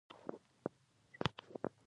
د معقوليت پر لور رامات کړل.